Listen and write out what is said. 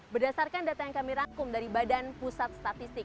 berdasarkan data yang kami rangkum dari badan pusat statistik